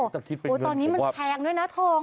ตอนนี้มันแพงด้วยนะทอง